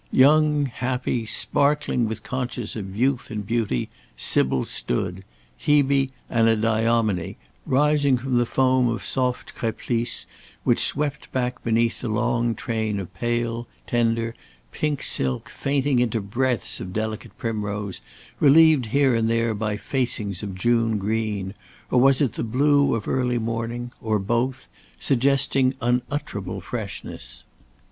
Young, happy, sparkling with consciousness of youth and beauty, Sybil stood, Hebe Anadyomene, rising from the foam of soft creplisse which swept back beneath the long train of pale, tender, pink silk, fainting into breadths of delicate primrose, relieved here and there by facings of June green or was it the blue of early morning? or both? suggesting unutterable freshness.